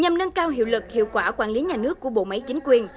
nhằm nâng cao hiệu lực hiệu quả quản lý nhà nước của bộ máy chính quyền